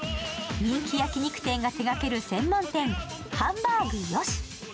人気焼肉店が手がける専門店、ハンバーグ嘉。